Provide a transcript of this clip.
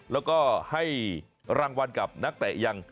และให้รางวัลกับนักเต้อย่าง